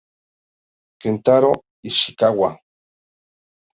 Kentaro Ishikawa